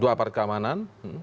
dua aparat keamanan